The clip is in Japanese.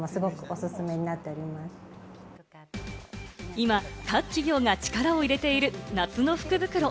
今、各企業が力を入れている夏の福袋。